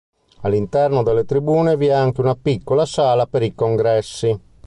All'interno delle tribune vi è anche una piccola sala per i congressi.